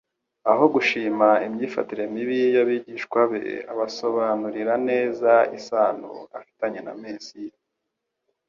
Aho gushima imyifatire mibi y'abigishwa be abasobanurira neza isano afitanye na Mesiya.